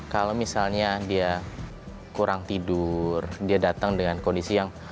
kalau misalnya dia kurang tidur dia datang dengan kondisi yang